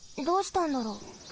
どうしたんだろう。